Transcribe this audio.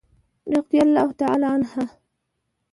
رضي الله تعالی عنه.